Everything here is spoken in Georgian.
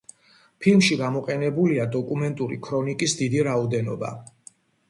ფილმში გამოყენებულია დოკუმენტური ქრონიკის დიდი რაოდენობა.